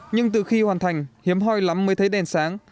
nhưng từ khi hoàn thành hiếm hoi lắm mới thấy đèn sáng